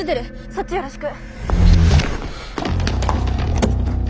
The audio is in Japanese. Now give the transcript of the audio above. そっちよろしく！